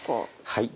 はい。